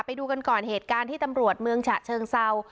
ไปดูกันก่อนเหตุการณ์ที่ตำรวจเมืองฉะเชิงเซา